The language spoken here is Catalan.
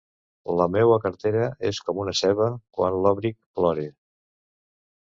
La meua cartera és com una ceba; quan l'òbric, plore.